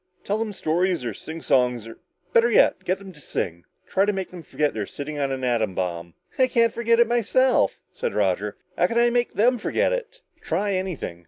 Tell them stories or sing songs or better yet, get them to sing. Try to make them forget they're sitting on an atom bomb!" "I can't forget it myself," said Roger. "How can I make them forget it?" "Try anything.